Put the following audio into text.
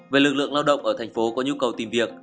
về lực lượng lao động ở thành phố có nhu cầu tìm việc